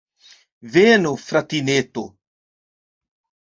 Venu, fratineto!